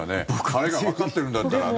晴れがわかってるんだったらね。